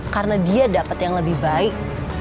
karena dia dapet yang lebih baik